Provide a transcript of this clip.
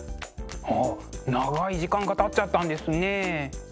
あ長い時間がたっちゃったんですね。